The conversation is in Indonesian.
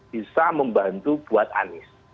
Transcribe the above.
bisa membantu buat anies